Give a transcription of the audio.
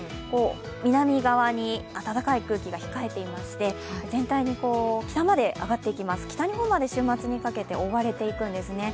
南側に暖かい空気が控えていまして全体に北まで上がってきます、北まで週末にかけて覆われていくんですね。